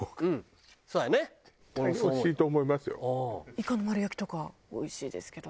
イカの丸焼きとかおいしいですけど。